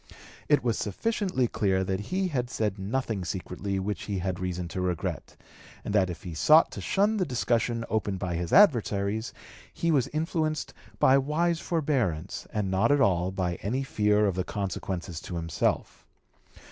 It was sufficiently clear that he had said nothing secretly which he had reason to regret; and that if he sought to shun the discussion opened by his adversaries, he was influenced by wise forbearance, and not at all by any fear of the consequences to himself.